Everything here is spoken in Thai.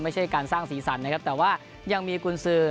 ไม่ใช่การสร้างสีสันนะครับแต่ว่ายังมีกุญสือ